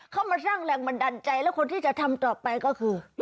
เข้ามาสร้างแรงบันดาลใจแล้วคนที่จะทำต่อไปก็คือ